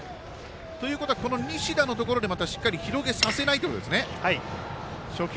ということは西田のところまた、しっかり広げさせないっていうことですね。